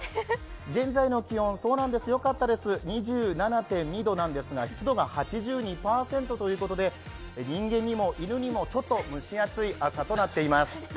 現在の気温、２７．２度なんですが湿度が８２％ということで人間にも犬にもちょっと蒸し暑い暑さとなっています。